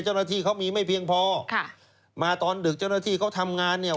เจ้าหน้าที่เขามีไม่เพียงพอค่ะมาตอนดึกเจ้าหน้าที่เขาทำงานเนี่ย